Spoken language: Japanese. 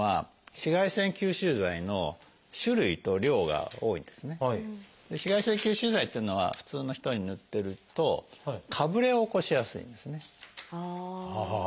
紫外線吸収剤っていうのは普通の人に塗ってるとかぶれを起こしやすいんですね。